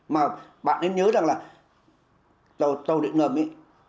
mà bạn nên nhớ rằng là tàu định ngầm ấy